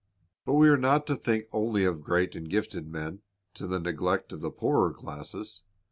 But we are not to think only of great and gifted men, to the neglect of the poorer classes.